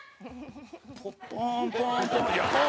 ポン、ポン、ポン。